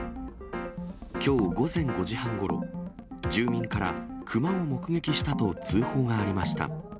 きょう午前５時半ごろ、住民からクマを目撃したと通報がありました。